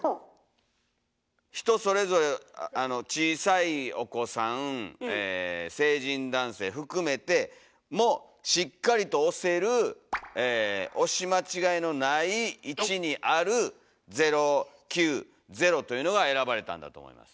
人それぞれ小さいお子さんえ成人男性含めてもしっかりと押せる押し間違いのない位置にある「０９０」というのが選ばれたんだと思います。